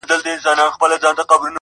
عظيمه شعر کښې ښايست